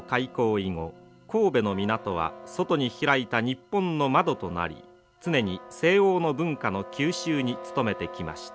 以後神戸の港は外に開いた日本の窓となり常に西欧の文化の吸収に努めてきました。